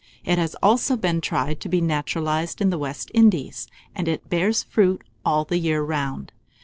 It has also been tried to be naturalized in the West Indies, and it bears fruit all the year round.